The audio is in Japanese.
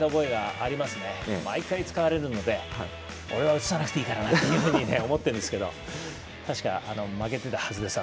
毎回、使われるので俺は映さなくていいからと思っているんですけど確か、負けてたはずです